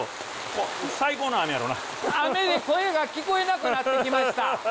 雨で声が聞こえなくなってきました。